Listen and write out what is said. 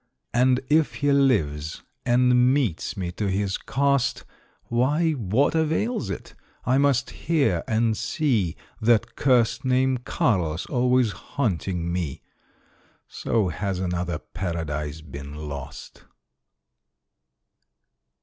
And if he lives, and meets me to his cost, Why, what avails it? I must hear and see That curst name "Carlos" always haunting me So has another Paradise been lost.